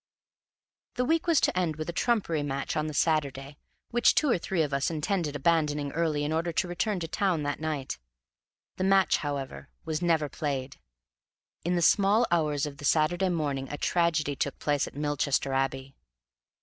The week was to end with a trumpery match on the Saturday, which two or three of us intended abandoning early in order to return to town that night. The match, however, was never played. In the small hours of the Saturday morning a tragedy took place at Milchester Abbey.